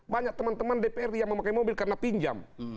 banyak teman teman dprd yang memakai mobil karena pinjam